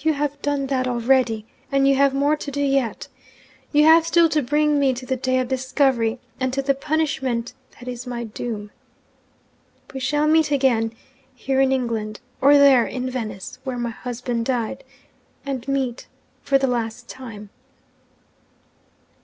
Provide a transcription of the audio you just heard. You have done that already and you have more to do yet. You have still to bring me to the day of discovery, and to the punishment that is my doom. We shall meet again here in England, or there in Venice where my husband died and meet for the last time.'